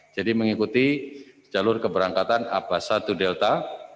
jadi mengikuti jalur keberangkatan abasa dua delta